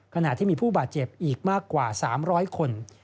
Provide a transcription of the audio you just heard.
ขณะที่มีผู้บาดเจ็บอีกมากกว่า๓๐๐คน